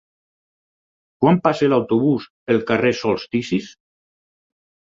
Quan passa l'autobús pel carrer Solsticis?